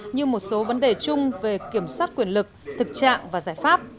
như một số vấn đề chung về kiểm soát quyền lực thực trạng và giải pháp